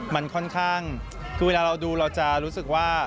มันค่อนข้างคือเวลาเราดูเราจะรู้สึกว่า